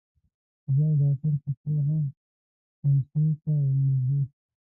زه او ډاکټر خسرو هم سموڅې ته ورنږدې شو.